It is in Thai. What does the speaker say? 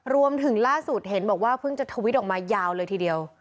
รวมถึงล่าสุดเห็นบอกว่าเพิ่งจะทวิตออกมายาวเลยทีเดียว